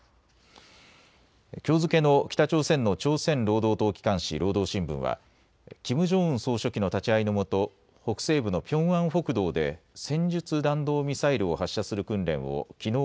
きょう付けの北朝鮮の朝鮮労働党機関紙、労働新聞はキム・ジョンウン総書記の立ち会いのもと北西部のピョンアン北道で戦術弾道ミサイルを発射する訓練をきのう